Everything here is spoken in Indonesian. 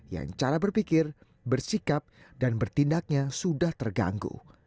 yang cara berpikir bersikap dan bertindaknya sudah terganggu